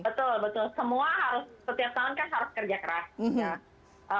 betul betul semua harus setiap tahun kan harus kerja keras